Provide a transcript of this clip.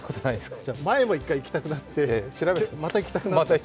前も一回行きたくなって、また行きたくなった。